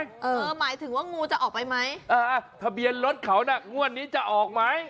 หมายถึงว่างูจะออกไปไหมเออทะเบียนรถเขาน่ะงวดนี้จะออกไหม